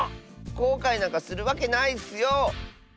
こうかいなんかするわけないッスよ！